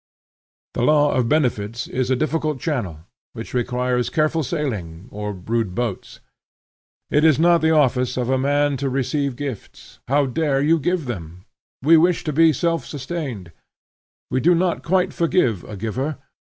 The law of benefits is a difficult channel, which requires careful sailing, or rude boats. It is not the office of a man to receive gifts. How dare you give them? We wish to be self sustained. We do not quite forgive a giver.